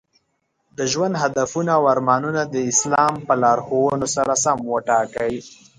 د ژوند هدفونه او ارمانونه د اسلام په لارښوونو سره سم وټاکئ.